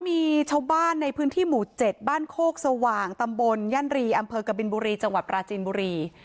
มีชาวบ้านในพื้นที่หมู่๗บ้านโคกสว่างตำบลย่านรีอำเภอกบินบุรีจังหวัดปราจีนบุรี